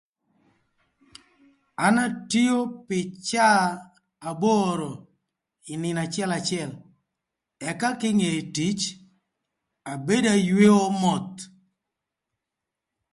An atio pï caa aboro pï nïnö acëlacël ëka kinge tic abedo ayweo moth.